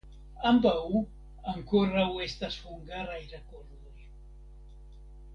Ambaŭ ankoraŭ estas hungaraj rekordoj.